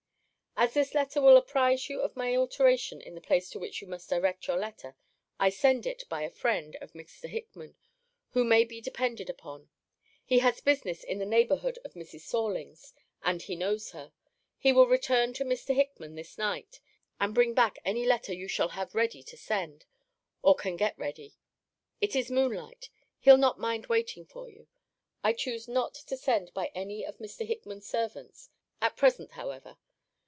As this letter will apprize you of an alteration in the place to which you must direct your next, I send it by a friend of Mr. Hickman, who may be depended upon. He has business in the neighbourhood of Mrs. Sorlings; and he knows her. He will return to Mr. Hickman this night; and bring back any letter you shall have ready to send, or can get ready. It is moon light. He'll not mind waiting for you. I choose not to send by any of Mr. Hickman's servants at present, however.